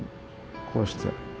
こうして。